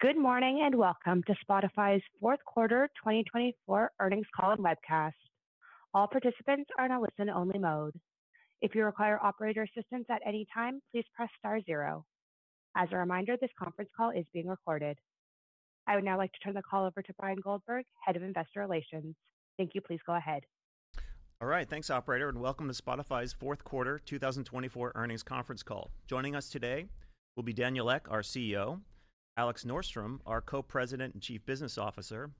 Good morning and welcome to Spotify's Fourth Quarter 2024 Earnings Call and Webcast. All participants are in a listen-only mode. If you require operator assistance at any time, please press star zero. As a reminder, this conference call is being recorded. I would now like to turn the call over to Bryan Goldberg, Head of Investor Relations. Thank you. Please go ahead. All right. Thanks, Operator, and welcome to Spotify's Fourth Quarter 2024 Earnings Conference Call. Joining us today will be Daniel Ek, our CEO, Alex Norström, our Co-President and Chief Business Officer,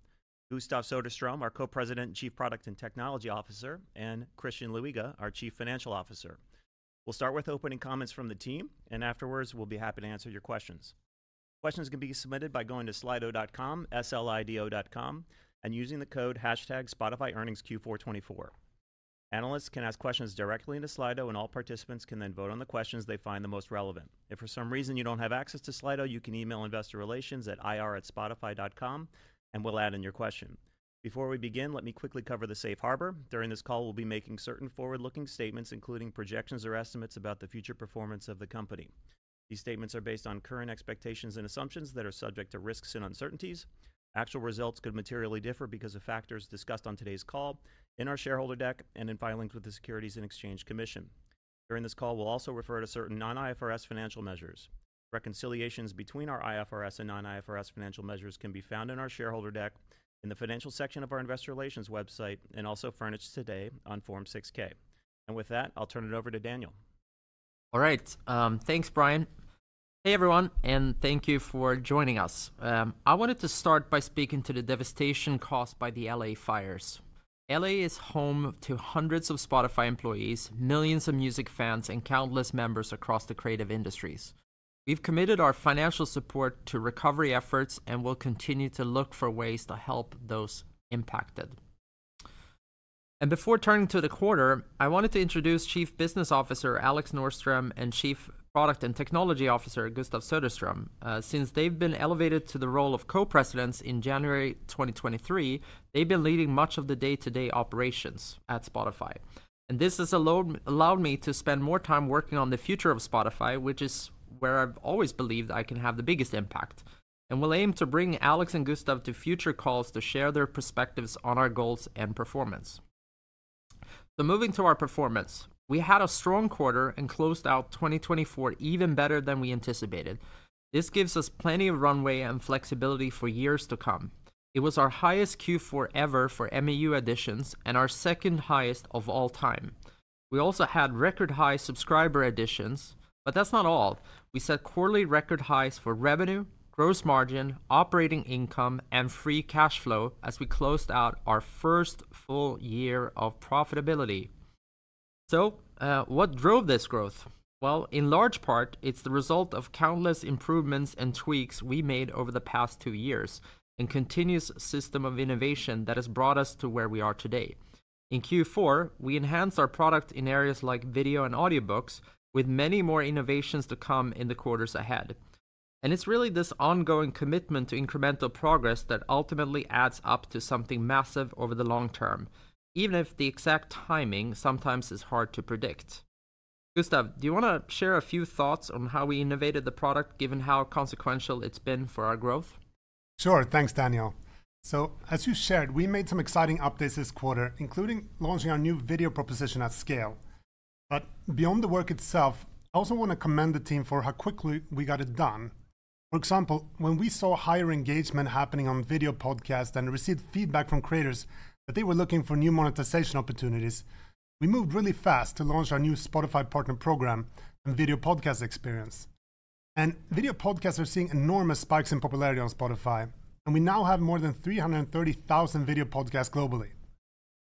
Gustav Söderström, our Co-President and Chief Product and Technology Officer, and Christian Luiga, our Chief Financial Officer. We'll start with opening comments from the team, and afterwards, we'll be happy to answer your questions. Questions can be submitted by going to slido.com, S-L-I-D-O dot com, and using the code #SpotifyEarningsQ424. Analysts can ask questions directly into Slido, and all participants can then vote on the questions they find the most relevant. If for some reason you don't have access to Slido, you can email investorrelations@spotify.com, and we'll add in your question. Before we begin, let me quickly cover the safe harbor. During this call, we'll be making certain forward-looking statements, including projections or estimates about the future performance of the company. These statements are based on current expectations and assumptions that are subject to risks and uncertainties. Actual results could materially differ because of factors discussed on today's call, in our shareholder deck, and in filings with the Securities and Exchange Commission. During this call, we'll also refer to certain non-IFRS financial measures. Reconciliations between our IFRS and non-IFRS financial measures can be found in our shareholder deck, in the financial section of our Investor Relations website, and also furnished today on Form 6-K. And with that, I'll turn it over to Daniel. All right. Thanks, Bryan. Hey, everyone, and thank you for joining us. I wanted to start by speaking to the devastation caused by the LA fires. LA is home to hundreds of Spotify employees, millions of music fans, and countless members across the creative industries. We've committed our financial support to recovery efforts, and we'll continue to look for ways to help those impacted. And before turning to the quarter, I wanted to introduce Chief Business Officer Alex Norström and Chief Product and Technology Officer Gustav Söderström. Since they've been elevated to the role of Co-Presidents in January 2023, they've been leading much of the day-to-day operations at Spotify. And this has allowed me to spend more time working on the future of Spotify, which is where I've always believed I can have the biggest impact. We'll aim to bring Alex and Gustav to future calls to share their perspectives on our goals and performance. Moving to our performance, we had a strong quarter and closed out 2024 even better than we anticipated. This gives us plenty of runway and flexibility for years to come. It was our highest Q4 ever for MAU additions and our second highest of all time. We also had record high subscriber additions, but that's not all. We set quarterly record highs for revenue, gross margin, operating income, and free cash flow as we closed out our first full year of profitability. What drove this growth? In large part, it's the result of countless improvements and tweaks we made over the past two years and a continuous system of innovation that has brought us to where we are today. In Q4, we enhanced our product in areas like video and audiobooks, with many more innovations to come in the quarters ahead, and it's really this ongoing commitment to incremental progress that ultimately adds up to something massive over the long term, even if the exact timing sometimes is hard to predict. Gustav, do you want to share a few thoughts on how we innovated the product, given how consequential it's been for our growth? Sure. Thanks, Daniel. So as you shared, we made some exciting updates this quarter, including launching our new video proposition at scale. But beyond the work itself, I also want to commend the team for how quickly we got it done. For example, when we saw higher engagement happening on video podcasts and received feedback from creators that they were looking for new monetization opportunities, we moved really fast to launch our new Spotify Partner Program and video podcast experience, and video podcasts are seeing enormous spikes in popularity on Spotify, and we now have more than 330,000 video podcasts globally,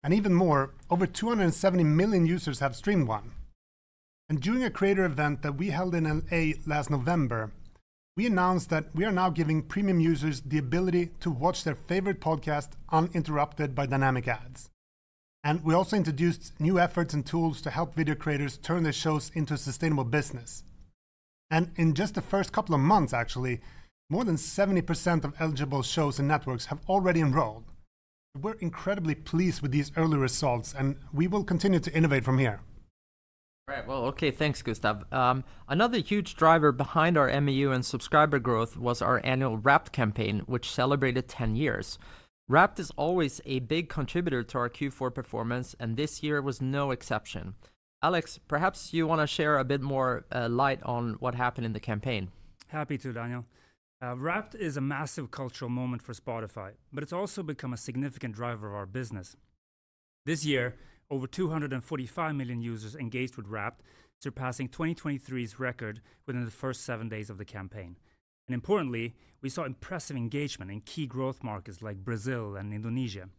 and even more, over 270 million users have streamed one, and during a creator event that we held in LA last November, we announced that we are now giving premium users the ability to watch their favorite podcast uninterrupted by dynamic ads. We also introduced new efforts and tools to help video creators turn their shows into a sustainable business. In just the first couple of months, actually, more than 70% of eligible shows and networks have already enrolled. We're incredibly pleased with these early results, and we will continue to innovate from here. All right. Well, OK. Thanks, Gustav. Another huge driver behind our MAU and subscriber growth was our annual Wrapped campaign, which celebrated 10 years. Wrapped is always a big contributor to our Q4 performance, and this year was no exception. Alex, perhaps you want to share a bit more light on what happened in the campaign. Happy to, Daniel. Wrapped is a massive cultural moment for Spotify, but it's also become a significant driver of our business. This year, over 245 million users engaged with Wrapped, surpassing 2023's record within the first seven days of the campaign, and importantly, we saw impressive engagement in key growth markets like Brazil and Indonesia.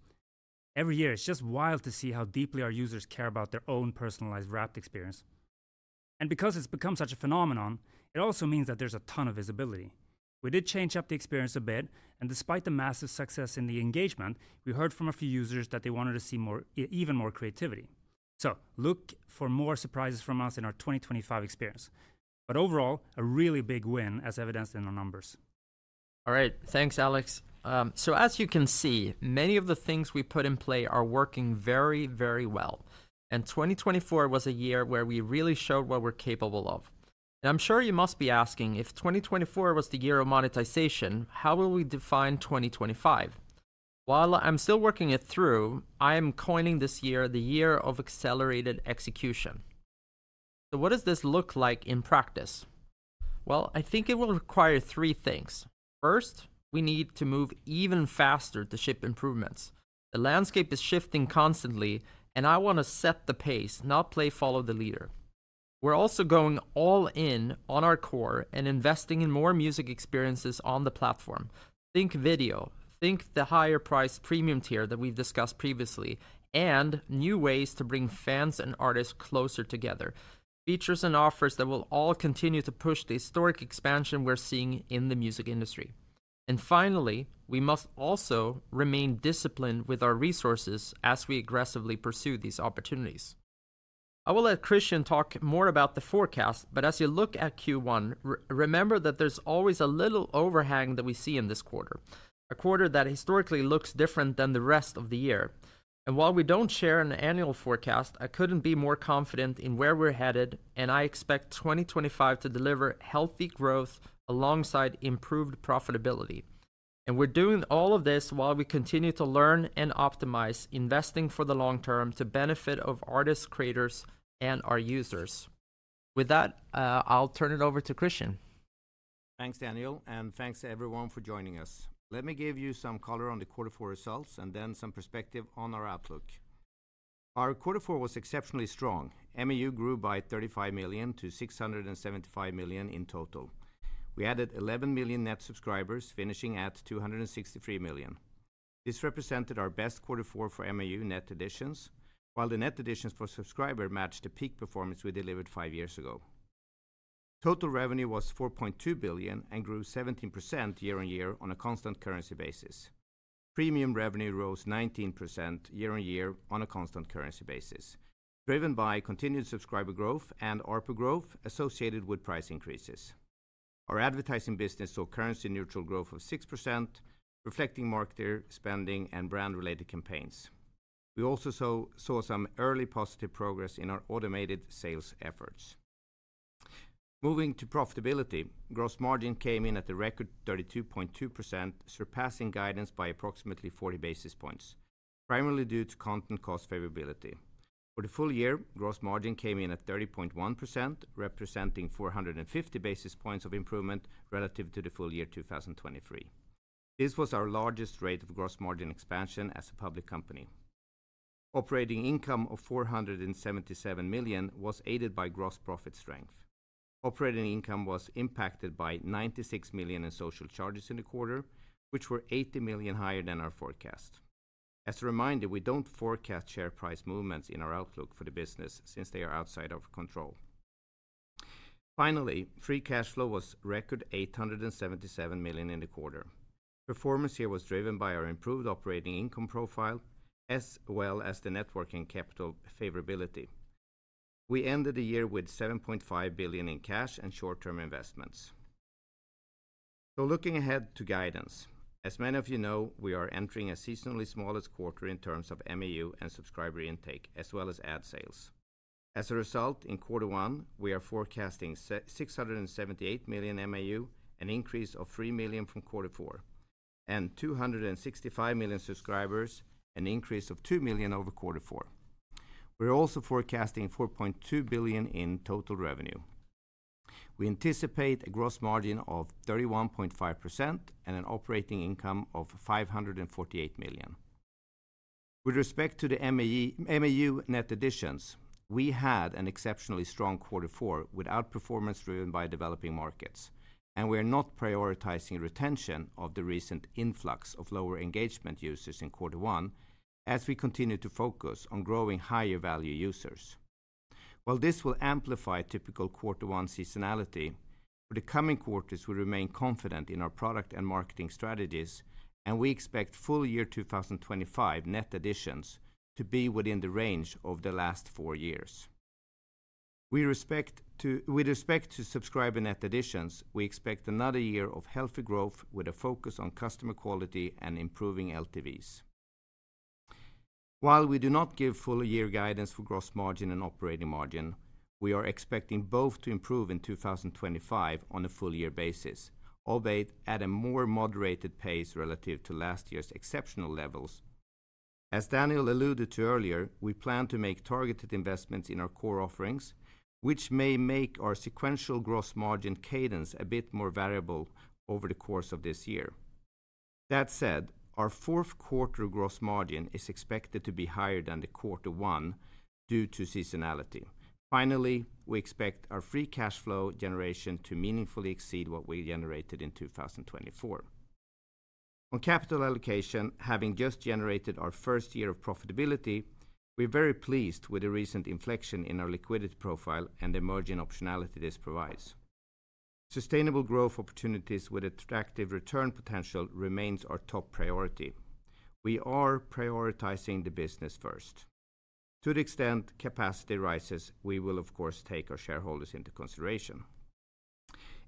Every year, it's just wild to see how deeply our users care about their own personalized Wrapped experience, and because it's become such a phenomenon, it also means that there's a ton of visibility. We did change up the experience a bit, and despite the massive success in the engagement, we heard from a few users that they wanted to see even more creativity, so look for more surprises from us in our 2025 experience, but overall, a really big win, as evidenced in our numbers. All right. Thanks, Alex. So as you can see, many of the things we put in play are working very, very well. And 2024 was a year where we really showed what we're capable of. And I'm sure you must be asking, if 2024 was the year of monetization, how will we define 2025? While I'm still working it through, I am coining this year the year of accelerated execution. So what does this look like in practice? Well, I think it will require three things. First, we need to move even faster to ship improvements. The landscape is shifting constantly, and I want to set the pace, not play follow the leader. We're also going all in on our core and investing in more music experiences on the platform. Think video. Think the higher-priced Premium tier that we've discussed previously and new ways to bring fans and artists closer together, features and offers that will all continue to push the historic expansion we're seeing in the music industry, and finally, we must also remain disciplined with our resources as we aggressively pursue these opportunities. I will let Christian talk more about the forecast, but as you look at Q1, remember that there's always a little overhang that we see in this quarter, a quarter that historically looks different than the rest of the year, and while we don't share an annual forecast, I couldn't be more confident in where we're headed, and I expect 2025 to deliver healthy growth alongside improved profitability, and we're doing all of this while we continue to learn and optimize, investing for the long term to benefit our artists, creators, and our users. With that, I'll turn it over to Christian. Thanks, Daniel, and thanks to everyone for joining us. Let me give you some color on the quarter four results and then some perspective on our outlook. Our quarter four was exceptionally strong. MAU grew by 35 million to 675 million in total. We added 11 million net subscribers, finishing at 263 million. This represented our best quarter four for MAU net additions, while the net additions for subscribers matched the peak performance we delivered five years ago. Total revenue was 4.2 billion and grew 17% year on year on a constant currency basis. Premium revenue rose 19% year on year on a constant currency basis, driven by continued subscriber growth and ARPU growth associated with price increases. Our advertising business saw currency-neutral growth of 6%, reflecting marketer spending and brand-related campaigns. We also saw some early positive progress in our automated sales efforts. Moving to profitability, gross margin came in at a record 32.2%, surpassing guidance by approximately 40 basis points, primarily due to content cost favorability. For the full year, gross margin came in at 30.1%, representing 450 basis points of improvement relative to the full year 2023. This was our largest rate of gross margin expansion as a public company. Operating income of 477 million was aided by gross profit strength. Operating income was impacted by 96 million in social charges in the quarter, which were 80 million higher than our forecast. As a reminder, we don't forecast share price movements in our outlook for the business since they are outside of control. Finally, free cash flow was record 877 million in the quarter. Performance here was driven by our improved operating income profile, as well as the working capital favorability. We ended the year with 7.5 billion in cash and short-term investments. So looking ahead to guidance, as many of you know, we are entering a seasonally smallest quarter in terms of MAU and subscriber intake, as well as ad sales. As a result, in quarter one, we are forecasting 678 million MAU, an increase of 3 million from quarter four, and 265 million subscribers, an increase of 2 million over quarter four. We're also forecasting 4.2 billion in total revenue. We anticipate a gross margin of 31.5% and an operating income of 548 million. With respect to the MAU net additions, we had an exceptionally strong quarter four with outperformance driven by developing markets, and we are not prioritizing retention of the recent influx of lower engagement users in quarter one as we continue to focus on growing higher-value users. While this will amplify typical quarter one seasonality, for the coming quarters, we remain confident in our product and marketing strategies, and we expect full year 2025 net additions to be within the range of the last four years. With respect to subscriber net additions, we expect another year of healthy growth with a focus on customer quality and improving LTVs. While we do not give full year guidance for gross margin and operating margin, we are expecting both to improve in 2025 on a full year basis, Albeit at a more moderated pace relative to last year's exceptional levels. As Daniel alluded to earlier, we plan to make targeted investments in our core offerings, which may make our sequential gross margin cadence a bit more variable over the course of this year. That said, our fourth quarter gross margin is expected to be higher than the quarter one due to seasonality. Finally, we expect our free cash flow generation to meaningfully exceed what we generated in 2024. On capital allocation, having just generated our first year of profitability, we're very pleased with the recent inflection in our liquidity profile and the emerging optionality this provides. Sustainable growth opportunities with attractive return potential remain our top priority. We are prioritizing the business first. To the extent capacity rises, we will, of course, take our shareholders into consideration.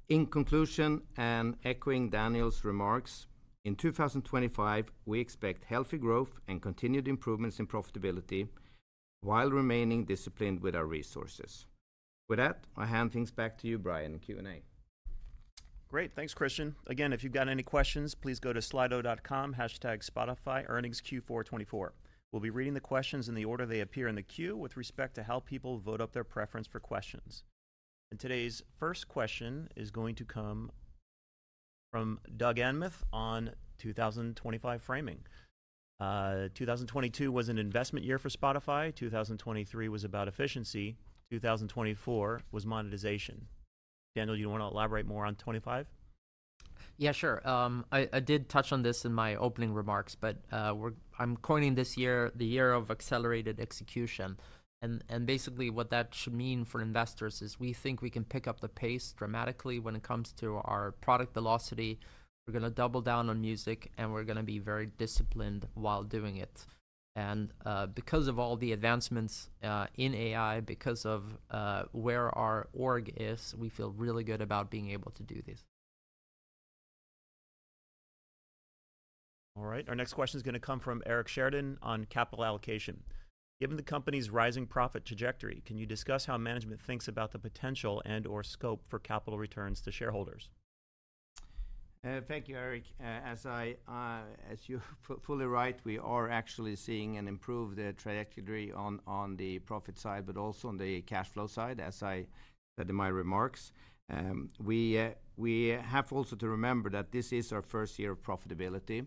In conclusion, and echoing Daniel's remarks, in 2025, we expect healthy growth and continued improvements in profitability while remaining disciplined with our resources. With that, I hand things back to you, Bryan, in Q&A. Great. Thanks, Christian. Again, if you've got any questions, please go to slido.com/spotify/earningsq424. We'll be reading the questions in the order they appear in the queue with respect to how people vote up their preference for questions. And today's first question is going to come from Doug Anmuth on 2025 framing. 2022 was an investment year for Spotify. 2023 was about efficiency. 2024 was monetization. Daniel, do you want to elaborate more on 2025? Yeah, sure. I did touch on this in my opening remarks, but I'm coining this year the year of accelerated execution. And basically, what that should mean for investors is we think we can pick up the pace dramatically when it comes to our product velocity. We're going to double down on music, and we're going to be very disciplined while doing it. And because of all the advancements in AI, because of where our org is, we feel really good about being able to do this. All right. Our next question is going to come from Eric Sheridan on capital allocation. Given the company's rising profit trajectory, can you discuss how management thinks about the potential and/or scope for capital returns to shareholders? Thank you, Eric. As you rightly, we are actually seeing an improved trajectory on the profit side, but also on the cash flow side, as I said in my remarks. We have also to remember that this is our first year of profitability,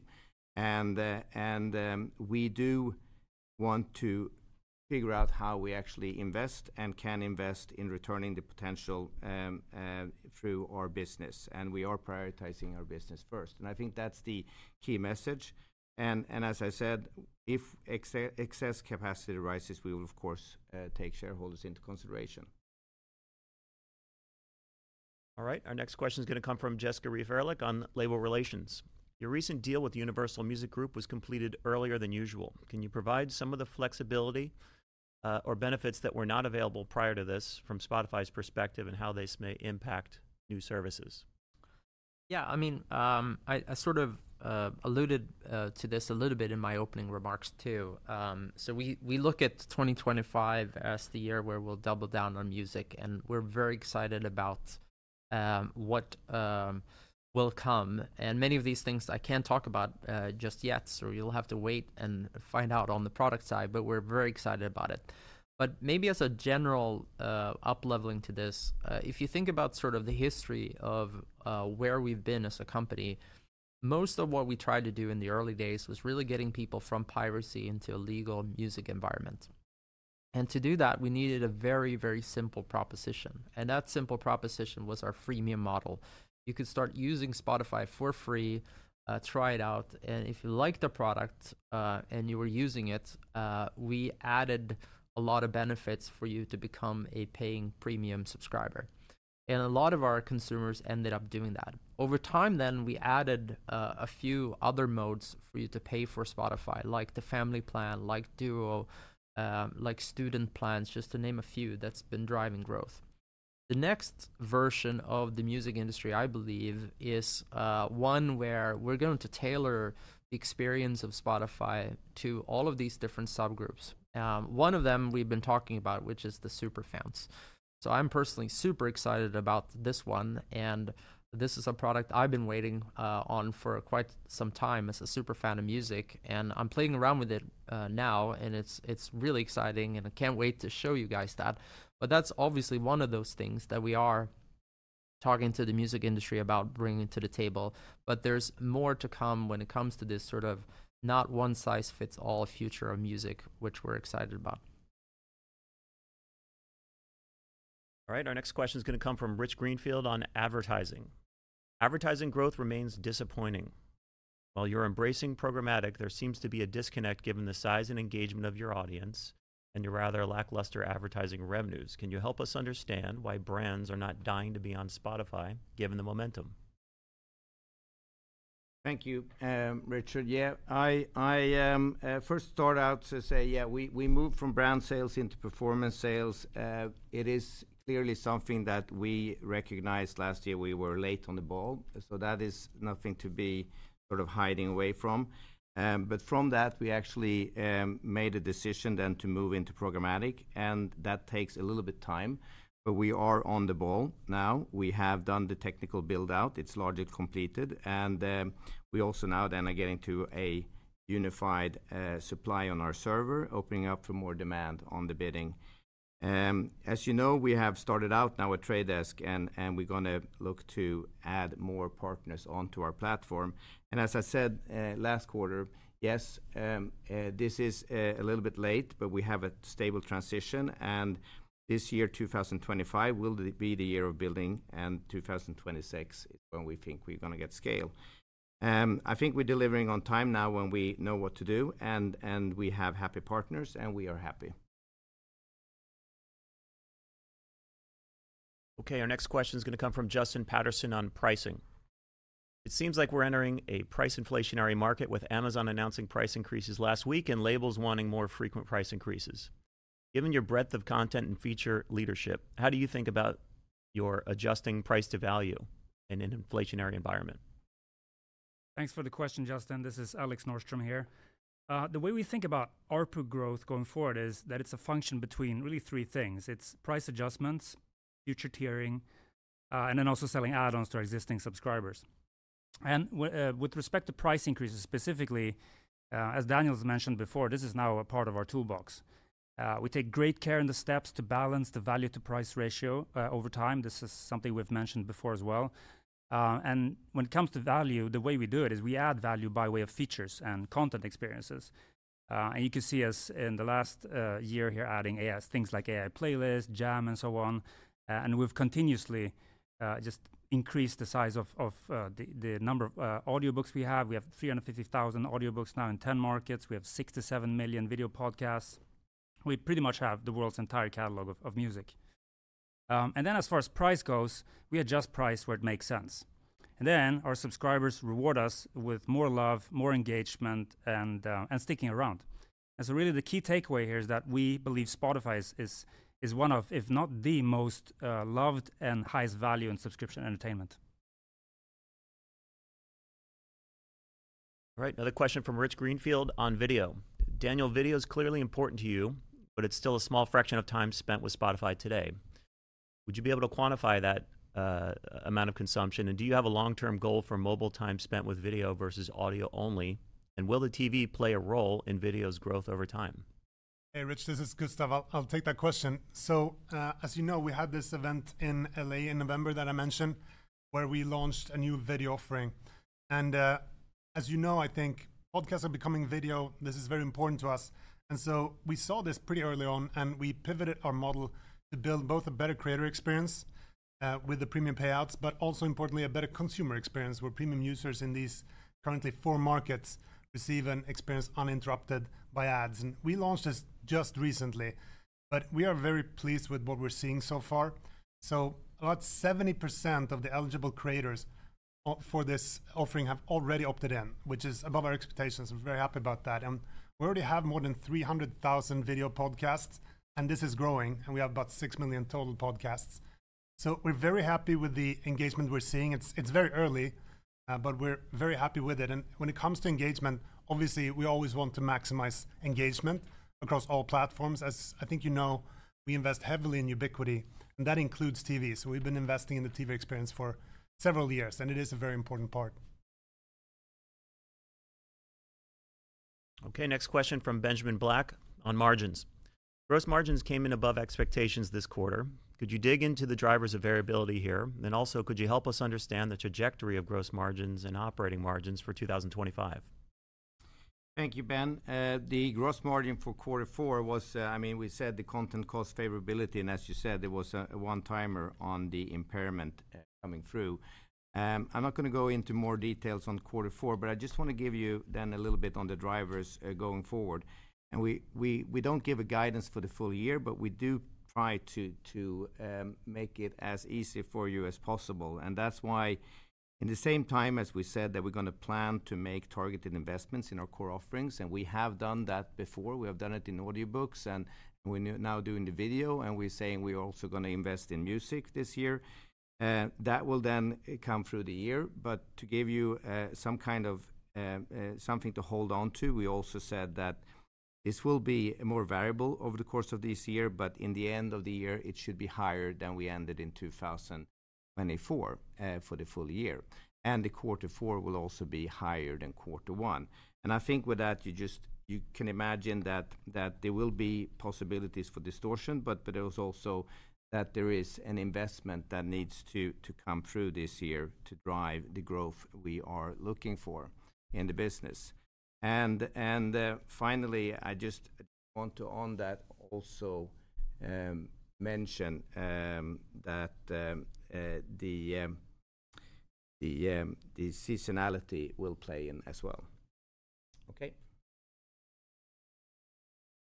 and we do want to figure out how we actually invest and can invest in returning the potential through our business. And we are prioritizing our business first. And I think that's the key message. And as I said, if excess capacity rises, we will, of course, take shareholders into consideration. All right. Our next question is going to come from Jessica Reif Ehrlich on label relations. Your recent deal with Universal Music Group was completed earlier than usual. Can you provide some of the flexibility or benefits that were not available prior to this from Spotify's perspective and how this may impact new services? Yeah. I mean, I sort of alluded to this a little bit in my opening remarks, too. So we look at 2025 as the year where we'll double down on music, and we're very excited about what will come. And many of these things I can't talk about just yet, so you'll have to wait and find out on the product side, but we're very excited about it. But maybe as a general up-leveling to this, if you think about sort of the history of where we've been as a company, most of what we tried to do in the early days was really getting people from piracy into a legal music environment. And to do that, we needed a very, very simple proposition. And that simple proposition was our freemium model. You could start using Spotify for free, try it out. If you liked a product and you were using it, we added a lot of benefits for you to become a paying Premium subscriber. A lot of our consumers ended up doing that. Over time, then, we added a few other modes for you to pay for Spotify, like the Family plan, like Duo, like Student plans, just to name a few that's been driving growth. The next version of the music industry, I believe, is one where we're going to tailor the experience of Spotify to all of these different subgroups. One of them we've been talking about, which is the superfans. So I'm personally super excited about this one. This is a product I've been waiting on for quite some time as a superfan of music. And I'm playing around with it now, and it's really exciting, and I can't wait to show you guys that. But that's obviously one of those things that we are talking to the music industry about bringing to the table. But there's more to come when it comes to this sort of not-one-size-fits-all future of music, which we're excited about. All right. Our next question is going to come from Rich Greenfield on advertising. Advertising growth remains disappointing. While you're embracing programmatic, there seems to be a disconnect given the size and engagement of your audience and your rather lackluster advertising revenues. Can you help us understand why brands are not dying to be on Spotify given the momentum? Thank you, Rich. Yeah, I first start out to say, yeah, we moved from brand sales into performance sales. It is clearly something that we recognized last year we were late on the ball. So that is nothing to be sort of hiding away from. But from that, we actually made a decision then to move into programmatic. And that takes a little bit of time, but we are on the ball now. We have done the technical build-out. It's largely completed. And we also now then are getting to a unified supply on our server, opening up for more demand on the bidding. As you know, we have started out now at Trade Desk, and we're going to look to add more partners onto our platform. And as I said last quarter, yes, this is a little bit late, but we have a stable transition. This year, 2025, will be the year of building, and 2026 is when we think we're going to get scale. I think we're delivering on time now when we know what to do, and we have happy partners, and we are happy. OK, our next question is going to come from Justin Patterson on pricing. It seems like we're entering a price inflationary market with Amazon announcing price increases last week and labels wanting more frequent price increases. Given your breadth of content and feature leadership, how do you think about your adjusting price to value in an inflationary environment? Thanks for the question, Justin. This is Alex Norström here. The way we think about ARPU growth going forward is that it's a function between really three things. It's price adjustments, future tiering, and then also selling add-ons to our existing subscribers. And with respect to price increases specifically, as Daniel's mentioned before, this is now a part of our toolbox. We take great care in the steps to balance the value-to-price ratio over time. This is something we've mentioned before as well. And when it comes to value, the way we do it is we add value by way of features and content experiences. And you can see us in the last year here adding things like AI playlists, Jam, and so on. And we've continuously just increased the size of the number of audiobooks we have. We have 350,000 audiobooks now in 10 markets. We have 67 million video podcasts. We pretty much have the world's entire catalog of music. And then as far as price goes, we adjust price where it makes sense. And then our subscribers reward us with more love, more engagement, and sticking around. And so really, the key takeaway here is that we believe Spotify is one of, if not the most loved and highest value in subscription entertainment. All right. Another question from Rich Greenfield on video. Daniel, video is clearly important to you, but it's still a small fraction of time spent with Spotify today. Would you be able to quantify that amount of consumption? And do you have a long-term goal for mobile time spent with video versus audio only? And will the TV play a role in video's growth over time? Hey, Rich, this is Gustav. I'll take that question. So as you know, we had this event in LA in November that I mentioned where we launched a new video offering, and as you know, I think podcasts are becoming video. This is very important to us, and so we saw this pretty early on, and we pivoted our model to build both a better creator experience with the Premium payouts, but also, importantly, a better consumer experience where Premium users in these currently four markets receive an experience uninterrupted by ads, and we launched this just recently, but we are very pleased with what we're seeing so far, so about 70% of the eligible creators for this offering have already opted in, which is above our expectations. We're very happy about that, and we already have more than 300,000 video podcasts, and this is growing. We have about six million total podcasts. So we're very happy with the engagement we're seeing. It's very early, but we're very happy with it. When it comes to engagement, obviously, we always want to maximize engagement across all platforms. As I think you know, we invest heavily in ubiquity, and that includes TV. So we've been investing in the TV experience for several years, and it is a very important part. Okay, next question from Benjamin Black on margins. Gross margins came in above expectations this quarter. Could you dig into the drivers of variability here? And also, could you help us understand the trajectory of gross margins and operating margins for 2025? Thank you, Ben. The gross margin for quarter four was, I mean, we said the content cost favorability, and as you said, it was a one-timer on the impairment coming through. I'm not going to go into more details on quarter four, but I just want to give you then a little bit on the drivers going forward, and we don't give guidance for the full year, but we do try to make it as easy for you as possible, and that's why, at the same time as we said that we're going to plan to make targeted investments in our core offerings, and we have done that before. We have done it in audiobooks, and we're now doing the video, and we're saying we're also going to invest in music this year. That will then come through the year. But to give you some kind of something to hold onto, we also said that this will be more variable over the course of this year, but in the end of the year, it should be higher than we ended in 2024 for the full year. And the quarter four will also be higher than quarter one. And I think with that, you can imagine that there will be possibilities for distortion, but there is also that there is an investment that needs to come through this year to drive the growth we are looking for in the business. And finally, I just want to on that also mention that the seasonality will play in as well. OK.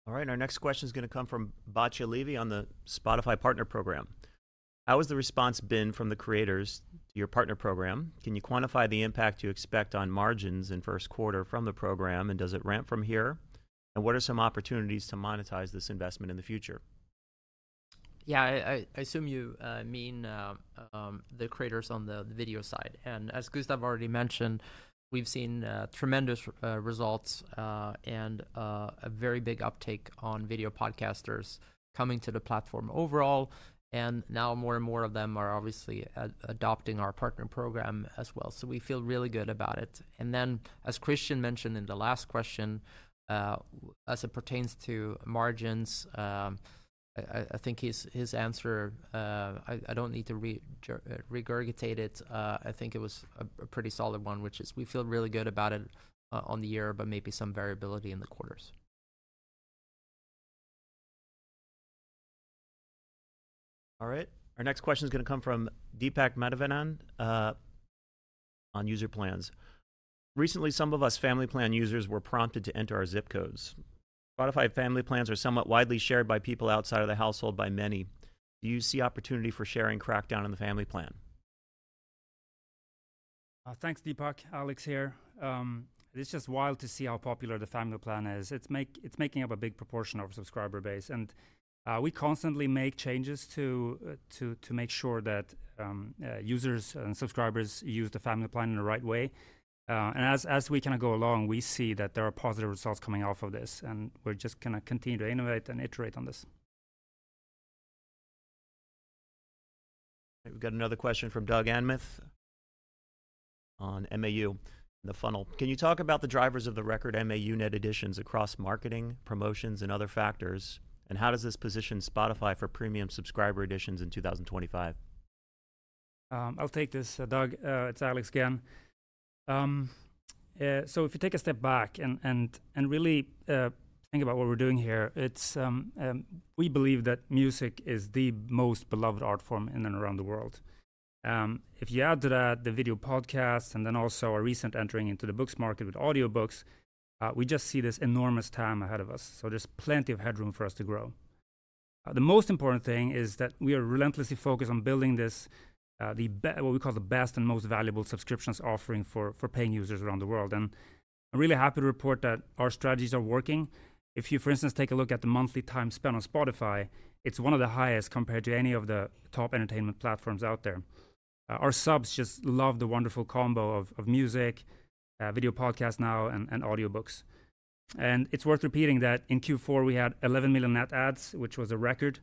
All right. Our next question is going to come from Batya Levi on the Spotify Partner Program. How has the response been from the creators to your partner program? Can you quantify the impact you expect on margins in first quarter from the program, and does it ramp from here? And what are some opportunities to monetize this investment in the future? Yeah, I assume you mean the creators on the video side. And as Gustav already mentioned, we've seen tremendous results and a very big uptake on video podcasters coming to the platform overall. And now more and more of them are obviously adopting our partner program as well. So we feel really good about it. And then, as Christian mentioned in the last question, as it pertains to margins, I think his answer. I don't need to regurgitate it. I think it was a pretty solid one, which is we feel really good about it on the year, but maybe some variability in the quarters. All right. Our next question is going to come from Deepak Mathivanan on user plans. Recently, some of us Family plan users were prompted to enter our zip codes. Spotify Family plans are somewhat widely shared by people outside of the household by many. Do you see opportunity for sharing crackdown on the Family plan? Thanks, Deepak. Alex here. It's just wild to see how popular the Family plan is. It's making up a big proportion of our subscriber base. And we constantly make changes to make sure that users and subscribers use the Family plan in the right way. And as we kind of go along, we see that there are positive results coming off of this. And we're just going to continue to innovate and iterate on this. We've got another question from Doug Anmuth on MAU, the funnel. Can you talk about the drivers of the record MAU net additions across marketing, promotions, and other factors? And how does this position Spotify for Premium subscriber additions in 2025? I'll take this, Doug. It's Alex again. So if you take a step back and really think about what we're doing here, we believe that music is the most beloved art form in and around the world. If you add to that the video podcasts and then also our recent entering into the books market with audiobooks, we just see this enormous time ahead of us. So there's plenty of headroom for us to grow. The most important thing is that we are relentlessly focused on building what we call the best and most valuable subscriptions offering for paying users around the world. And I'm really happy to report that our strategies are working. If you, for instance, take a look at the monthly time spent on Spotify, it's one of the highest compared to any of the top entertainment platforms out there. Our subs just love the wonderful combo of music, video podcasts now, and audiobooks. And it's worth repeating that in Q4, we had 11 million net adds, which was a record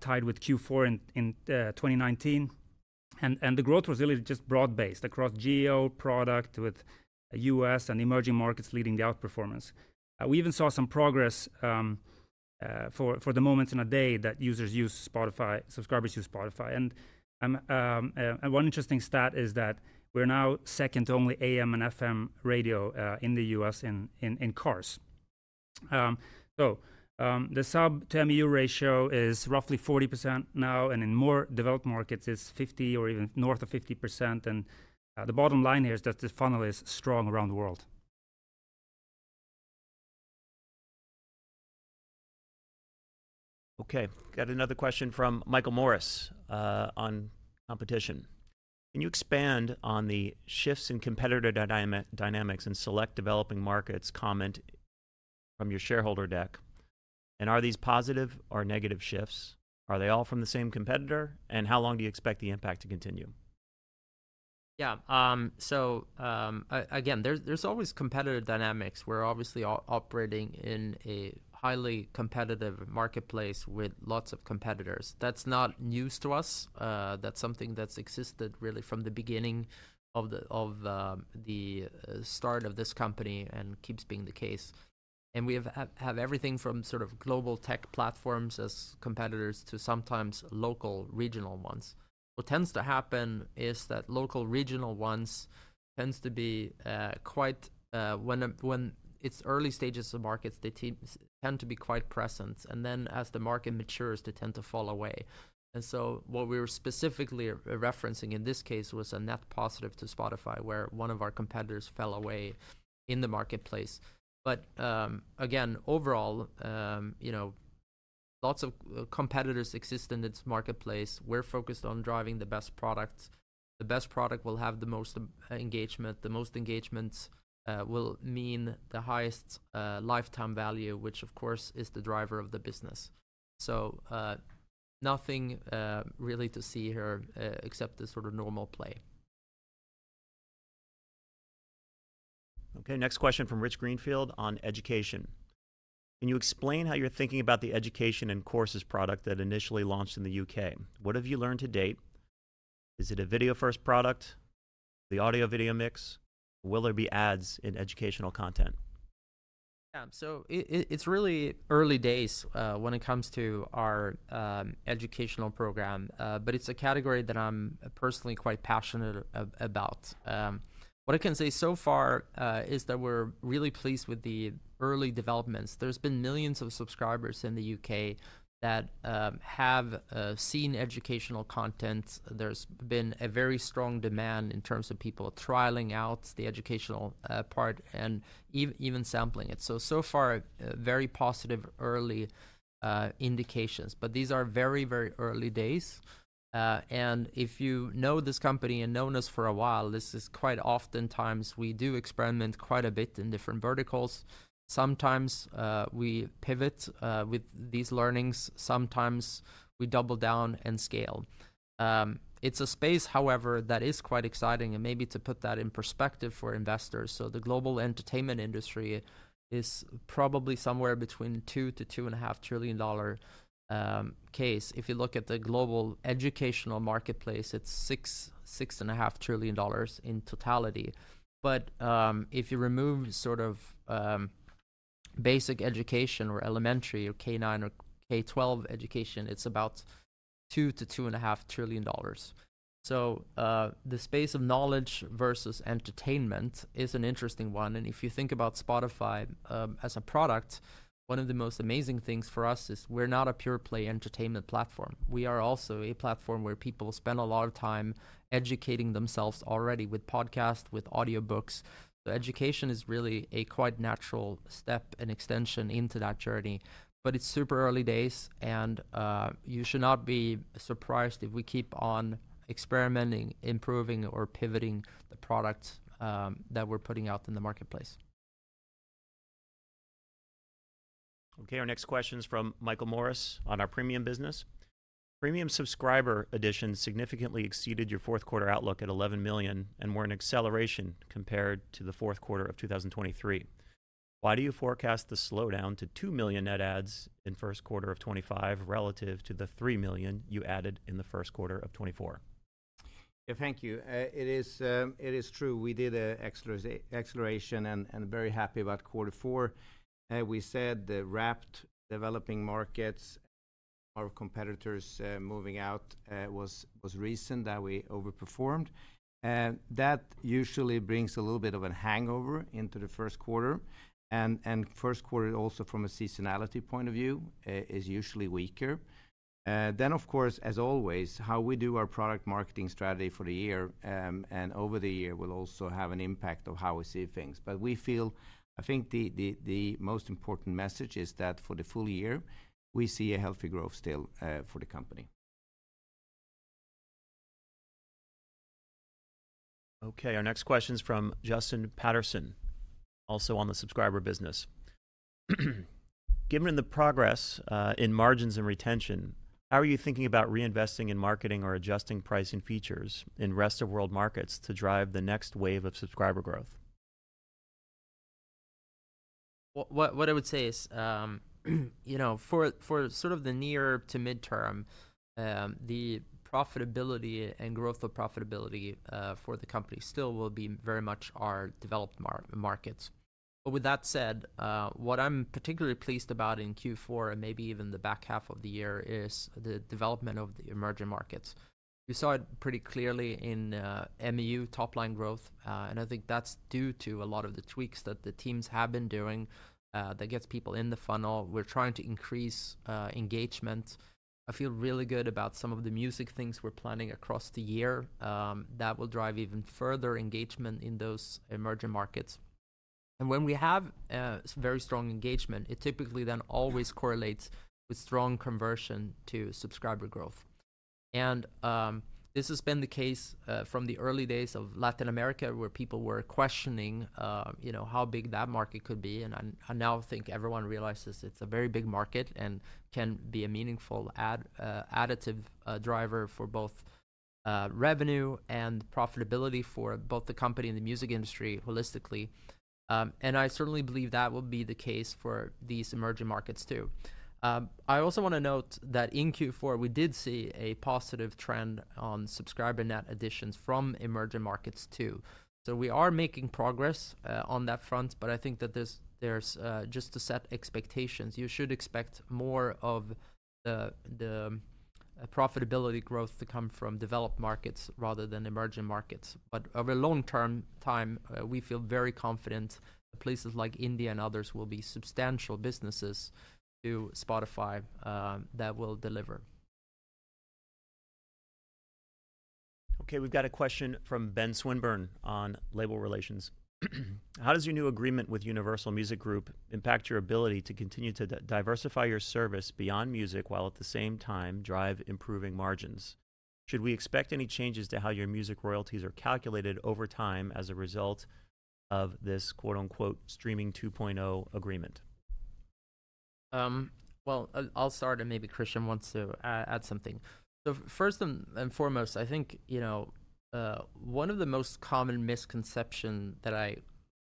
tied with Q4 in 2019. And the growth was really just broad-based across geo, product, with U.S. and emerging markets leading the outperformance. We even saw some progress for the moments in a day that users use Spotify, subscribers use Spotify. And one interesting stat is that we're now second to only AM and FM radio in the U.S. in cars. So the sub-to-MAU ratio is roughly 40% now. And in more developed markets, it's 50% or even north of 50%. And the bottom line here is that the funnel is strong around the world. OK. Got another question from Michael Morris on competition. Can you expand on the shifts in competitor dynamics and select developing markets comment from your shareholder deck? And are these positive or negative shifts? Are they all from the same competitor? And how long do you expect the impact to continue? Yeah. So again, there's always competitor dynamics. We're obviously operating in a highly competitive marketplace with lots of competitors. That's not news to us. That's something that's existed really from the beginning of the start of this company and keeps being the case. And we have everything from sort of global tech platforms as competitors to sometimes local regional ones. What tends to happen is that local regional ones tend to be quite when it's early stages of markets, they tend to be quite present. And then as the market matures, they tend to fall away. And so what we were specifically referencing in this case was a net positive to Spotify where one of our competitors fell away in the marketplace. But again, overall, lots of competitors exist in its marketplace. We're focused on driving the best products. The best product will have the most engagement. The most engagement will mean the highest lifetime value, which, of course, is the driver of the business. So nothing really to see here except the sort of normal play. OK. Next question from Rich Greenfield on education. Can you explain how you're thinking about the education and courses product that initially launched in the U.K.? What have you learned to date? Is it a video first product? The audio video mix? Will there be ads in educational content? Yeah. So it's really early days when it comes to our educational program, but it's a category that I'm personally quite passionate about. What I can say so far is that we're really pleased with the early developments. There's been millions of subscribers in the U.K. that have seen educational content. There's been a very strong demand in terms of people trialing out the educational part and even sampling it. So so far, very positive early indications. But these are very, very early days. And if you know this company and known us for a while, this is quite oftentimes we do experiment quite a bit in different verticals. Sometimes we pivot with these learnings. Sometimes we double down and scale. It's a space, however, that is quite exciting. Maybe to put that in perspective for investors, so the global entertainment industry is probably somewhere between $2 trillion-$2.5 trillion case. If you look at the global educational marketplace, it's $6.5 trillion in totality. But if you remove sort of basic education or elementary or K-9 or K-12 education, it's about $2 trillion-$2.5 trillion. So the space of knowledge versus entertainment is an interesting one. And if you think about Spotify as a product, one of the most amazing things for us is we're not a pure play entertainment platform. We are also a platform where people spend a lot of time educating themselves already with podcasts, with audiobooks. So education is really a quite natural step and extension into that journey. But it's super early days. You should not be surprised if we keep on experimenting, improving, or pivoting the products that we're putting out in the marketplace. OK. Our next question is from Michael Morris on our Premium business. Premium subscriber additions significantly exceeded your fourth quarter outlook at 11 million and were an acceleration compared to the fourth quarter of 2023. Why do you forecast the slowdown to 2 million net adds in first quarter of 2025 relative to the 3 million you added in the first quarter of 2024? Yeah, thank you. It is true. We did an acceleration and very happy about quarter four. We saw the Wrapped developing markets, our competitors moving out was recent that we overperformed. That usually brings a little bit of a hangover into the first quarter, and first quarter, also from a seasonality point of view, is usually weaker, then, of course, as always, how we do our product marketing strategy for the year and over the year will also have an impact on how we see things, but we feel, I think the most important message is that for the full year, we see a healthy growth still for the company. OK. Our next question is from Justin Patterson, also on the subscriber business. Given the progress in margins and retention, how are you thinking about reinvesting in marketing or adjusting pricing features in Rest of World markets to drive the next wave of subscriber growth? What I would say is, you know, for sort of the near to midterm, the profitability and growth of profitability for the company still will be very much our developed markets. But with that said, what I'm particularly pleased about in Q4 and maybe even the back half of the year is the development of the emerging markets. We saw it pretty clearly in MAU top line growth. And I think that's due to a lot of the tweaks that the teams have been doing that gets people in the funnel. We're trying to increase engagement. I feel really good about some of the music things we're planning across the year that will drive even further engagement in those emerging markets. And when we have very strong engagement, it typically then always correlates with strong conversion to subscriber growth. This has been the case from the early days of Latin America, where people were questioning how big that market could be. I now think everyone realizes it's a very big market and can be a meaningful additive driver for both revenue and profitability for both the company and the music industry holistically. I certainly believe that will be the case for these emerging markets too. I also want to note that in Q4, we did see a positive trend on subscriber net additions from emerging markets too. We are making progress on that front. I think that there's just to set expectations. You should expect more of the profitability growth to come from developed markets rather than emerging markets. Over a long-term time, we feel very confident that places like India and others will be substantial businesses to Spotify that will deliver. OK. We've got a question from Ben Swinburne on label relations. How does your new agreement with Universal Music Group impact your ability to continue to diversify your service beyond music while at the same time drive improving margins? Should we expect any changes to how your music royalties are calculated over time as a result of this "Streaming 2.0 agreement"? I'll start, and maybe Christian wants to add something. First and foremost, I think one of the most common misconceptions that I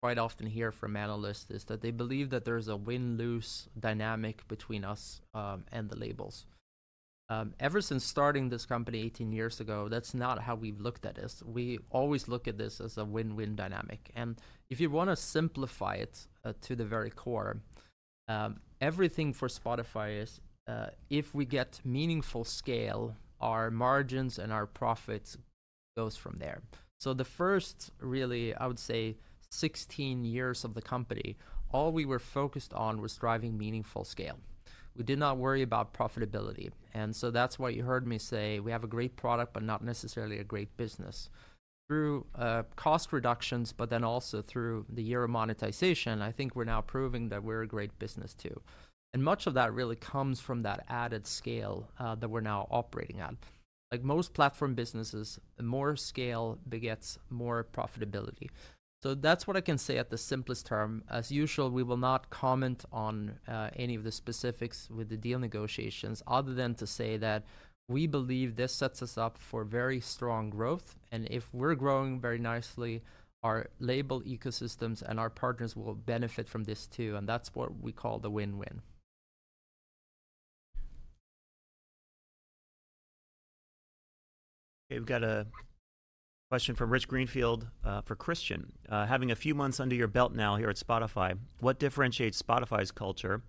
quite often hear from analysts is that they believe that there's a win-lose dynamic between us and the labels. Ever since starting this company 18 years ago, that's not how we've looked at this. We always look at this as a win-win dynamic. If you want to simplify it to the very core, everything for Spotify is if we get meaningful scale, our margins and our profits go from there. The first really, I would say, 16 years of the company, all we were focused on was driving meaningful scale. We did not worry about profitability. That's why you heard me say we have a great product, but not necessarily a great business. Through cost reductions, but then also through the year of monetization, I think we're now proving that we're a great business too, and much of that really comes from that added scale that we're now operating at. Like most platform businesses, the more scale begets more profitability, so that's what I can say at the simplest term. As usual, we will not comment on any of the specifics with the deal negotiations other than to say that we believe this sets us up for very strong growth, and if we're growing very nicely, our label ecosystems and our partners will benefit from this too, and that's what we call the win-win. We've got a question from Rich Greenfield for Christian. Having a few months under your belt now here at Spotify, what differentiates Spotify's culture?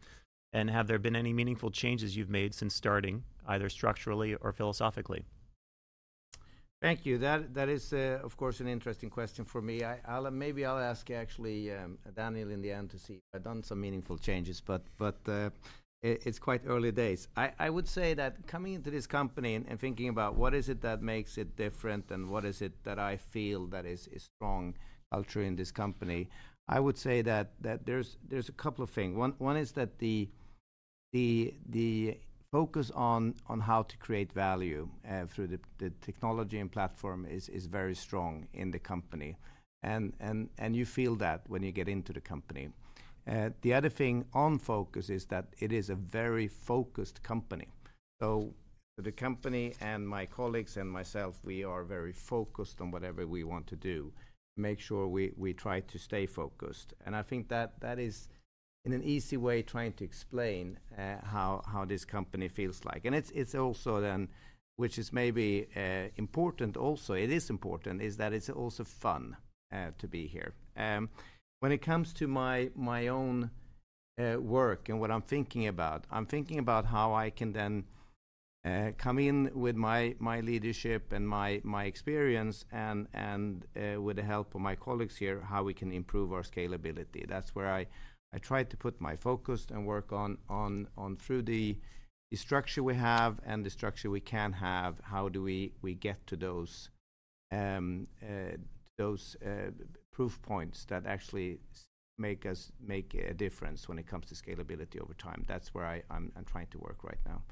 And have there been any meaningful changes you've made since starting, either structurally or philosophically? Thank you. That is, of course, an interesting question for me. Maybe I'll ask actually Daniel in the end to see if I've done some meaningful changes, but it's quite early days. I would say that coming into this company and thinking about what is it that makes it different and what is it that I feel that is a strong culture in this company, I would say that there's a couple of things. One is that the focus on how to create value through the technology and platform is very strong in the company, and you feel that when you get into the company. The other thing on focus is that it is a very focused company, so the company and my colleagues and myself, we are very focused on whatever we want to do to make sure we try to stay focused. I think that is, in an easy way, trying to explain how this company feels like. It's also then, which is maybe important also, it is important, is that it's also fun to be here. When it comes to my own work and what I'm thinking about, I'm thinking about how I can then come in with my leadership and my experience and with the help of my colleagues here, how we can improve our scalability. That's where I try to put my focus and work on through the structure we have and the structure we can have, how do we get to those proof points that actually make a difference when it comes to scalability over time. That's where I'm trying to work right now.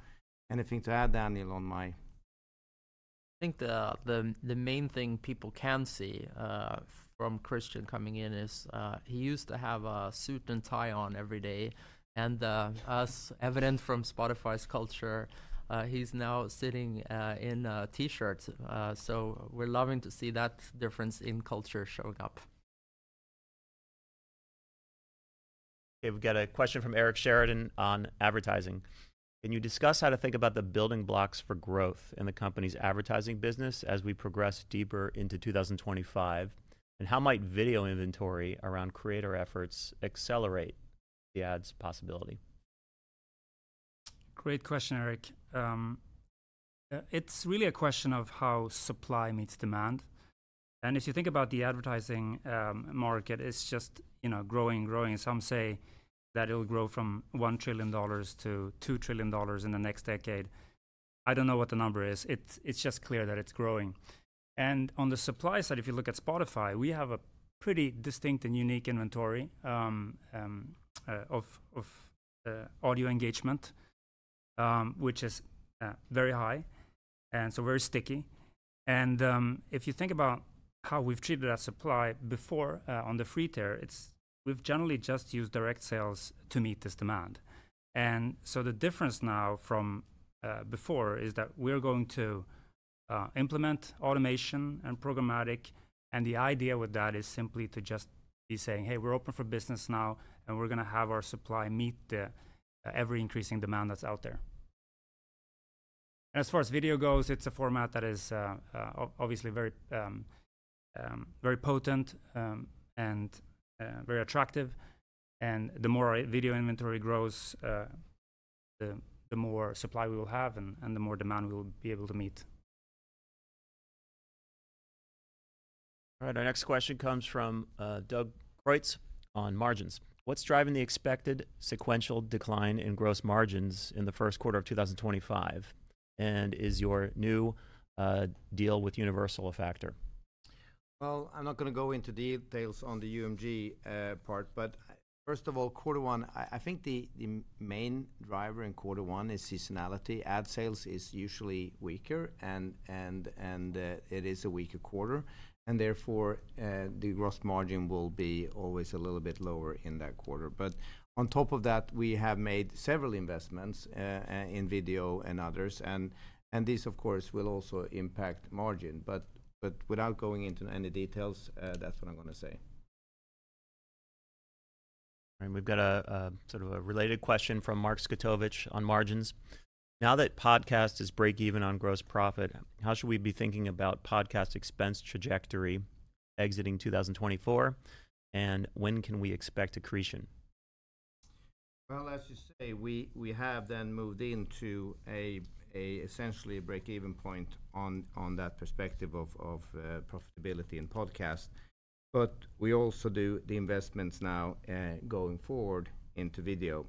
Anything to add, Daniel, on my? I think the main thing people can see from Christian coming in is he used to have a suit and tie on every day, and as evident from Spotify's culture, he's now sitting in a T-shirt, so we're loving to see that difference in culture showing up. We've got a question from Eric Sheridan on advertising. Can you discuss how to think about the building blocks for growth in the company's advertising business as we progress deeper into 2025? And how might video inventory around creator efforts accelerate the ads possibility? Great question, Eric. It's really a question of how supply meets demand. And if you think about the advertising market, it's just growing, growing. Some say that it'll grow from $1 trillion-$2 trillion in the next decade. I don't know what the number is. It's just clear that it's growing. And on the supply side, if you look at Spotify, we have a pretty distinct and unique inventory of audio engagement, which is very high and so very sticky. And if you think about how we've treated that supply before on the free tier, we've generally just used direct sales to meet this demand. And so the difference now from before is that we're going to implement automation and programmatic. And the idea with that is simply to just be saying, hey, we're open for business now. We're going to have our supply meet every increasing demand that's out there. And as far as video goes, it's a format that is obviously very potent and very attractive. And the more video inventory grows, the more supply we will have and the more demand we'll be able to meet. All right. Our next question comes from Doug Creutz on margins. What's driving the expected sequential decline in gross margins in the first quarter of 2025? And is your new deal with Universal a factor? I'm not going to go into details on the UMG part. But first of all, quarter one, I think the main driver in quarter one is seasonality. Ad sales is usually weaker. And it is a weaker quarter. And therefore, the gross margin will be always a little bit lower in that quarter. But on top of that, we have made several investments in video and others. And this, of course, will also impact margin. But without going into any details, that's what I'm going to say. All right. We've got a sort of a related question from Mark Zgutowicz on margins. Now that podcast is break-even on gross profit, how should we be thinking about podcast expense trajectory exiting 2024? And when can we expect accretion? As you say, we have then moved into essentially a break-even point on that perspective of profitability in podcast. But we also do the investments now going forward into video.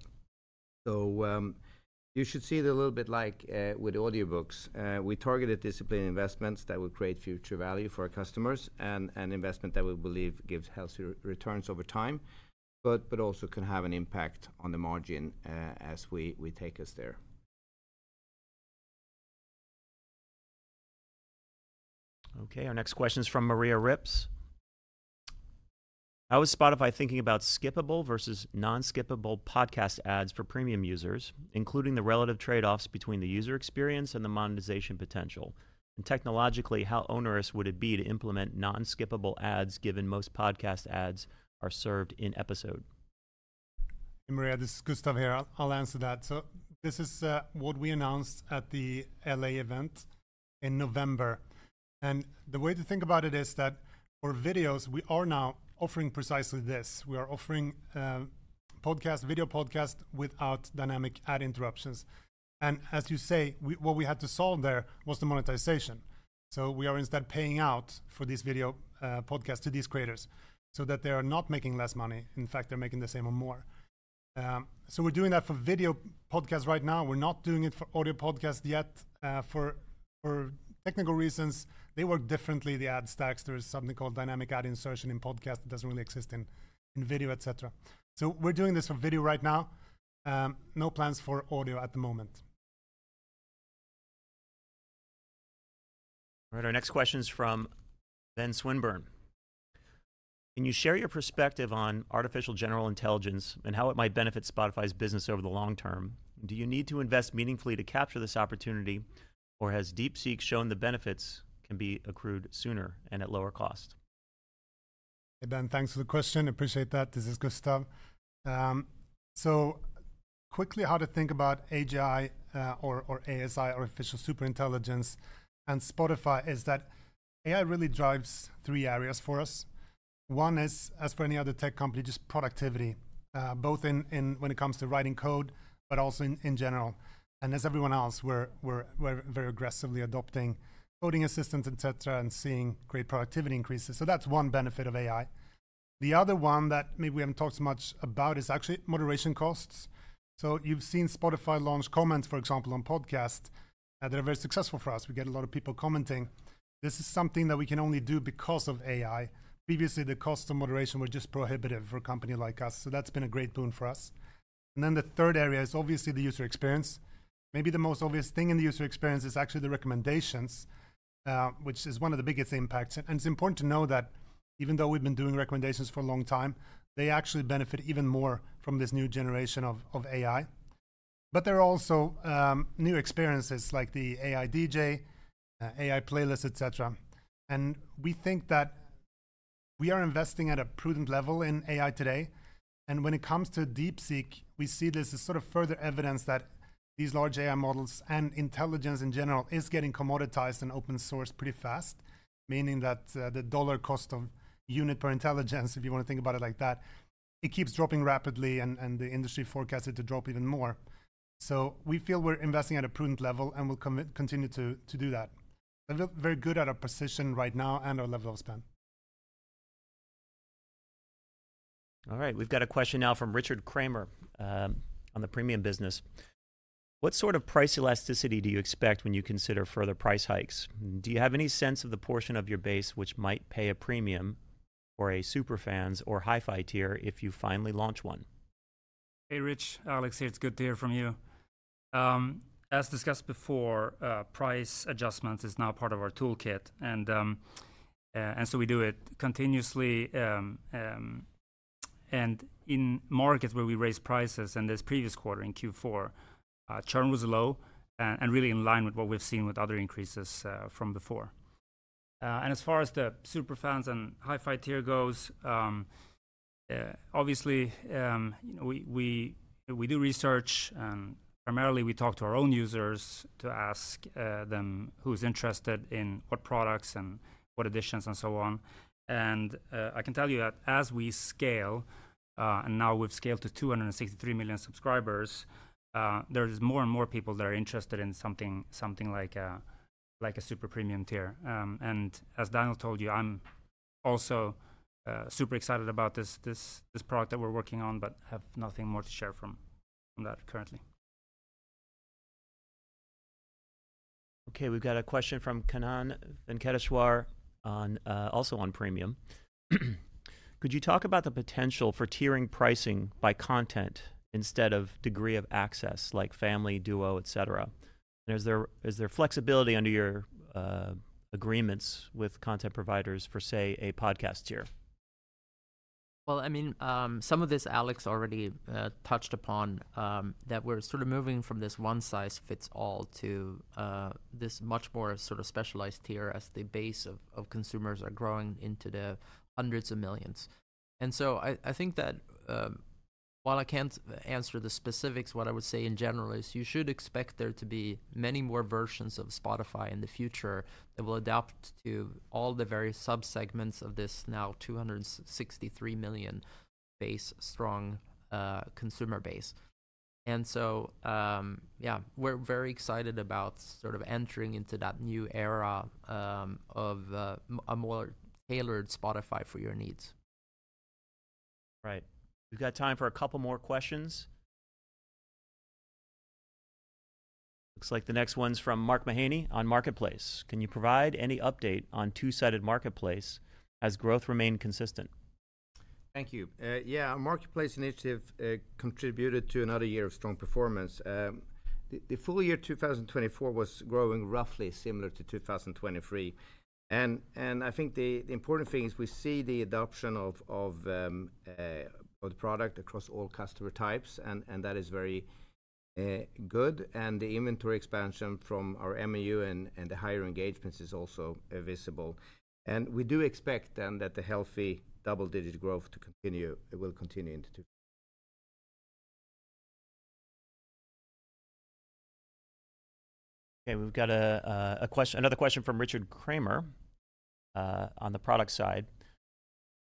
You should see it a little bit like with audiobooks. We targeted disciplined investments that will create future value for our customers and an investment that we believe gives healthy returns over time, but also can have an impact on the margin as we take us there. OK. Our next question is from Maria Ripps. How is Spotify thinking about skippable versus non-skippable podcast ads for Premium users, including the relative trade-offs between the user experience and the monetization potential? And technologically, how onerous would it be to implement non-skippable ads given most podcast ads are served in episode? Hey, Maria, this is Gustav here. I'll answer that, so this is what we announced at the LA event in November, and the way to think about it is that for videos, we are now offering precisely this. We are offering video podcast without dynamic ad interruptions, and as you say, what we had to solve there was the monetization. So we are instead paying out for this video podcast to these creators so that they are not making less money. In fact, they're making the same or more, so we're doing that for video podcast right now. We're not doing it for audio podcast yet for technical reasons. They work differently, the ad stacks. There is something called dynamic ad insertion in podcast that doesn't really exist in video, et cetera, so we're doing this for video right now. No plans for audio at the moment. All right. Our next question is from Ben Swinburne. Can you share your perspective on artificial general intelligence and how it might benefit Spotify's business over the long term? Do you need to invest meaningfully to capture this opportunity, or has DeepSeek shown the benefits can be accrued sooner and at lower cost? Hey, Ben, thanks for the question. Appreciate that. This is Gustav. So quickly, how to think about AGI or ASI, artificial superintelligence, and Spotify is that AI really drives three areas for us. One is, as for any other tech company, just productivity, both when it comes to writing code, but also in general. And as everyone else, we're very aggressively adopting coding assistants, et cetera, and seeing great productivity increases. So that's one benefit of AI. The other one that maybe we haven't talked much about is actually moderation costs. So you've seen Spotify launch comments, for example, on podcasts that are very successful for us. We get a lot of people commenting. This is something that we can only do because of AI. Previously, the cost of moderation was just prohibitive for a company like us. So that's been a great boon for us. And then the third area is obviously the user experience. Maybe the most obvious thing in the user experience is actually the recommendations, which is one of the biggest impacts. And it's important to know that even though we've been doing recommendations for a long time, they actually benefit even more from this new generation of AI. But there are also new experiences like the AI DJ, AI Playlist, et cetera. And we think that we are investing at a prudent level in AI today. And when it comes to DeepSeek, we see this as sort of further evidence that these large AI models and intelligence in general is getting commoditized and open sourced pretty fast, meaning that the dollar cost of unit per intelligence, if you want to think about it like that, it keeps dropping rapidly. And the industry forecasts it to drop even more. So we feel we're investing at a prudent level and will continue to do that. We're very good at our position right now and our level of spend. All right. We've got a question now from Richard Kramer on the Premium business. What sort of price elasticity do you expect when you consider further price hikes? Do you have any sense of the portion of your base which might pay a premium for a superfans or HiFi tier if you finally launch one? Hey, Rich, Alex here. It's good to hear from you. As discussed before, price adjustment is now part of our toolkit, and so we do it continuously, and in markets where we raise prices, and this previous quarter in Q4, churn was low and really in line with what we've seen with other increases from before, and as far as the superfans and HiFi tier goes, obviously, we do research, and primarily, we talk to our own users to ask them who's interested in what products and what additions and so on, and I can tell you that as we scale, and now we've scaled to 263 million subscribers, there are more and more people that are interested in something like a super Premium tier. As Daniel told you, I'm also super excited about this product that we're working on, but have nothing more to share from that currently. OK. We've got a question from Kannan Venkateshwar also on Premium. Could you talk about the potential for tiering pricing by content instead of degree of access like Family, Duo, et cetera? And is there flexibility under your agreements with content providers for, say, a podcast tier? Well, I mean, some of this, Alex, already touched upon that we're sort of moving from this one size fits all to this much more sort of specialized tier as the base of consumers are growing into the hundreds of millions. And so I think that while I can't answer the specifics, what I would say in general is you should expect there to be many more versions of Spotify in the future that will adapt to all the various subsegments of this now 263 million base strong consumer base. And so, yeah, we're very excited about sort of entering into that new era of a more tailored Spotify for your needs. Right. We've got time for a couple more questions. Looks like the next one's from Mark Mahaney on Marketplace. Can you provide any update on two-sided marketplace as growth remained consistent? Thank you. Yeah, our Marketplace initiative contributed to another year of strong performance. The full year 2024 was growing roughly similar to 2023. I think the important thing is we see the adoption of the product across all customer types. And that is very good. The inventory expansion from our MAU and the higher engagements is also visible. We do expect then that the healthy double-digit growth will continue into. OK. We've got another question from Richard Kramer on the product side.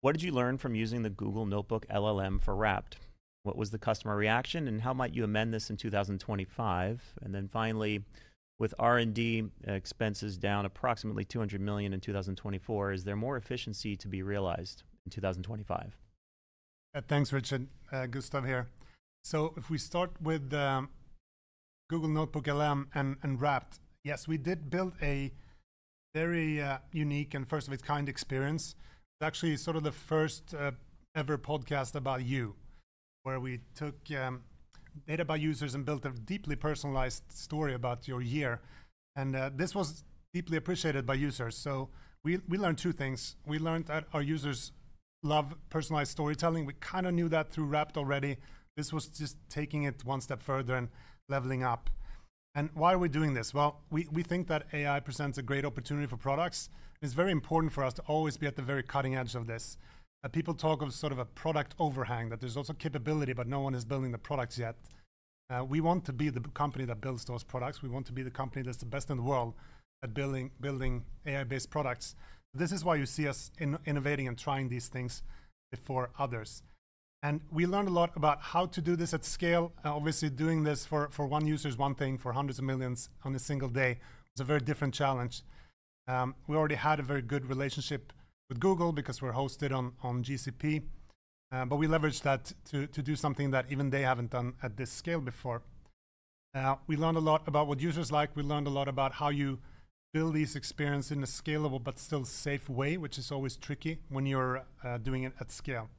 What did you learn from using the Google NotebookLM for Wrapped? What was the customer reaction? And how might you amend this in 2025? And then finally, with R&D expenses down approximately 200 million in 2024, is there more efficiency to be realized in 2025? Thanks, Richard. Gustav here. So if we start with Google NotebookLM and Wrapped, yes, we did build a very unique and first-of-its-kind experience. It's actually sort of the first-ever podcast about you where we took data about users and built a deeply personalized story about your year. And this was deeply appreciated by users. So we learned two things. We learned that our users love personalized storytelling. We kind of knew that through Wrapped already. This was just taking it one step further and leveling up. And why are we doing this? Well, we think that AI presents a great opportunity for products. It's very important for us to always be at the very cutting edge of this. People talk of sort of a product overhang, that there's also capability, but no one is building the products yet. We want to be the company that builds those products. We want to be the company that's the best in the world at building AI-based products. This is why you see us innovating and trying these things before others. And we learned a lot about how to do this at scale. Obviously, doing this for one user is one thing. For hundreds of millions on a single day is a very different challenge. We already had a very good relationship with Google because we're hosted on GCP. But we leveraged that to do something that even they haven't done at this scale before. We learned a lot about what users like. We learned a lot about how you build these experiences in a scalable but still safe way, which is always tricky when you're doing it at scale.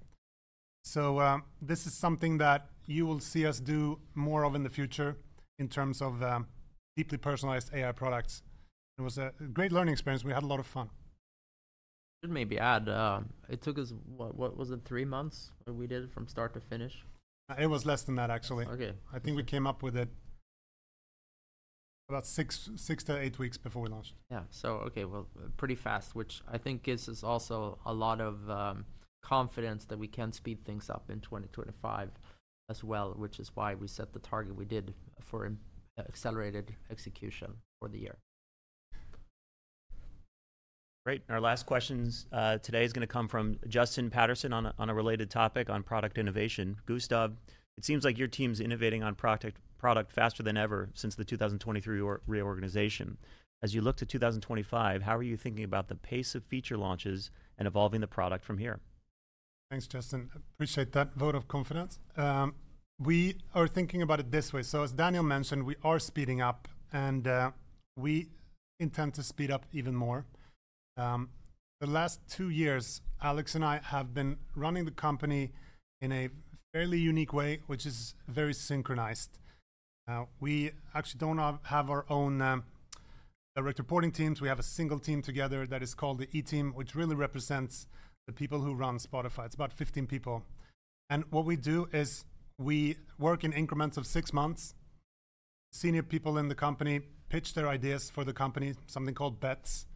So this is something that you will see us do more of in the future in terms of deeply personalized AI products. It was a great learning experience. We had a lot of fun. Maybe add, it took us, what was it, three months? We did it from start to finish? It was less than that, actually. OK. I think we came up with it about six to eight weeks before we launched. Yeah. So, OK, well, pretty fast, which I think gives us also a lot of confidence that we can speed things up in 2025 as well, which is why we set the target we did for accelerated execution for the year. Great. Our last question today is going to come from Justin Patterson on a related topic on product innovation. Gustav, it seems like your team is innovating on product faster than ever since the 2023 reorganization. As you look to 2025, how are you thinking about the pace of feature launches and evolving the product from here? Thanks, Justin. Appreciate that vote of confidence. We are thinking about it this way, so as Daniel mentioned, we are speeding up, and we intend to speed up even more. The last two years, Alex and I have been running the company in a fairly unique way, which is very synchronized. We actually don't have our own direct reporting teams. We have a single team together that is called the E-Team, which really represents the people who run Spotify. It's about 15 people, and what we do is we work in increments of six months. Senior people in the company pitch their ideas for the company, something called Bets.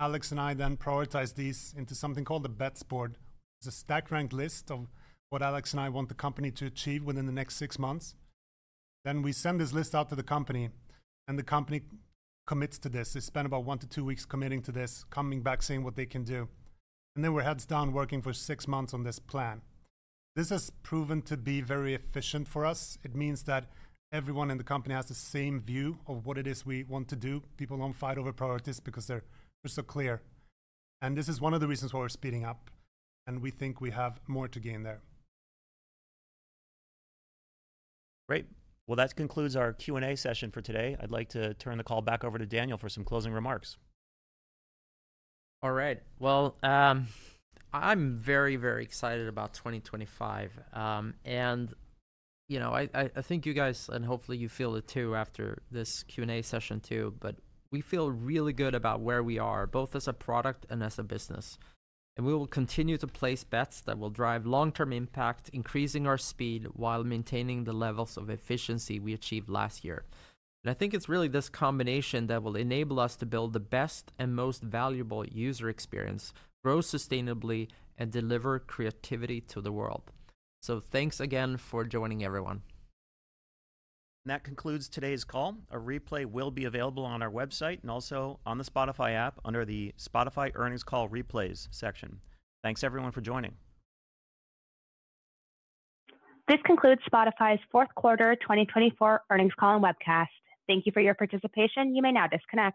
Alex and I then prioritize these into something called the Bets Board. It's a stack ranked list of what Alex and I want the company to achieve within the next six months, then we send this list out to the company. The company commits to this. They spend about one to two weeks committing to this, coming back, seeing what they can do. We're heads down working for six months on this plan. This has proven to be very efficient for us. It means that everyone in the company has the same view of what it is we want to do. People don't fight over priorities because they're so clear. This is one of the reasons why we're speeding up. We think we have more to gain there. Great. Well, that concludes our Q&A session for today. I'd like to turn the call back over to Daniel for some closing remarks. All right. Well, I'm very, very excited about 2025. And I think you guys, and hopefully you feel it too after this Q&A session too, but we feel really good about where we are, both as a product and as a business. And we will continue to place bets that will drive long-term impact, increasing our speed while maintaining the levels of efficiency we achieved last year. And I think it's really this combination that will enable us to build the best and most valuable user experience, grow sustainably, and deliver creativity to the world. So thanks again for joining, everyone. That concludes today's call. A replay will be available on our website and also on the Spotify app under the Spotify Earnings Call Replays section. Thanks, everyone, for joining. This concludes Spotify's fourth quarter 2024 earnings call and webcast. Thank you for your participation. You may now disconnect.